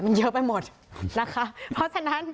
มันเยอะไปหมดนะคะเพราะฉะนั้น